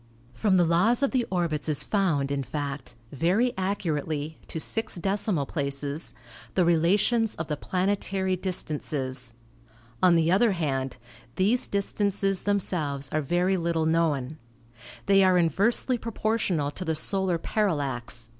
From the laws of the orbits is found, in fact, very accurately (to six decimal places) the relations of the planetary distances. On the other hand, these distances themselves are very little known. They are inversely proportional to the solar parallax (8.